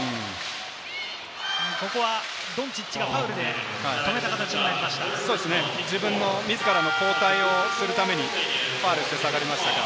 ドンチッチがファウルで自ら交代するためにファウルして下がりました。